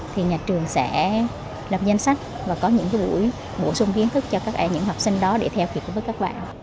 thì nhà trường sẽ lập danh sách và có những buổi bổ sung kiến thức cho các em những học sinh đó để theo kịp với các bạn